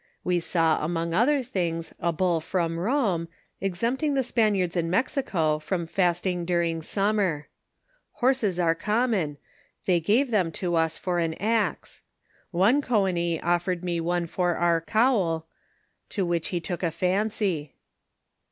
We saw, among other things, a bull from Eome, ex empting the Spaniards in Mexico from fasting during sum mer. Horses are common, they gave them to us for an axe ; one Ooenis offered me one for our cowl, to which he took a fimcy.